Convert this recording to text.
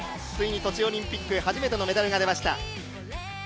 ついにソチオリンピック初めてのメダルが出ました。